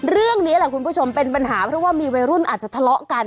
เรื่องนี้แหละคุณผู้ชมเป็นปัญหาเพราะว่ามีวัยรุ่นอาจจะทะเลาะกัน